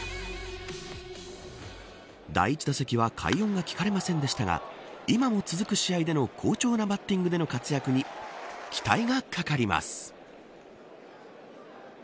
第１打席は快音が聞かれませんでしたが、今も続く試合での好調なバッティングでの活躍に期待がかかります。